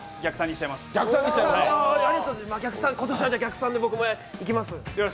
じゃ、今年は逆三で僕もいきます。